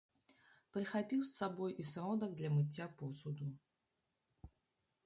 Прыхапіў з сабой і сродак для мыцця посуду.